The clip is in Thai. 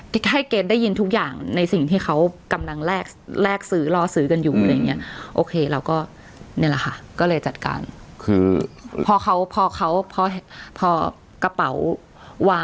มีการคอนเฟิร์มกับร้านแล้วโอเคเป็นกระเป๋าใบนี้นะครับที่กำลังจะมา